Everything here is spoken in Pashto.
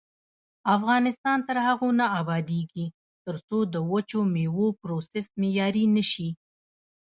افغانستان تر هغو نه ابادیږي، ترڅو د وچو میوو پروسس معیاري نشي.